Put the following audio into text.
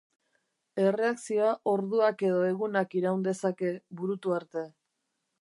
Erreakzioa orduak edo egunak iraun dezake burutu arte.